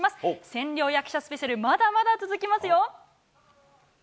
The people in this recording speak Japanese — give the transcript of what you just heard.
千両役者スペシャル、まだまだ続きますよ。